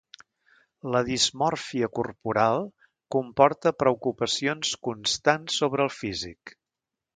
La dismòrfia corporal comporta preocupacions constants sobre el físic.